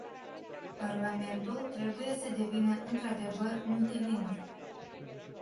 Parlamentul trebuie să devină într-adevăr multilingv.